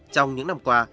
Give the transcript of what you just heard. trong những năm qua